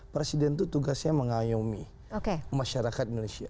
presiden itu tugasnya mengayomi masyarakat indonesia